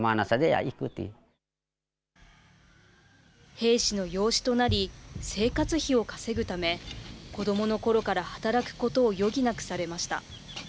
兵士の養子となり、生活費を稼ぐため、子どものころから働くことを余儀なくされました。